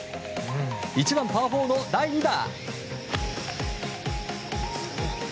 １番、パー４の第２打。